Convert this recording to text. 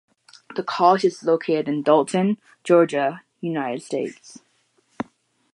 The college is located in Dalton, Georgia, United States.